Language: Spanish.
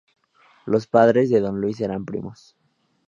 Los padres de Don Luis eran primos.